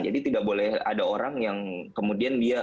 jadi tidak boleh ada orang yang kemudian dia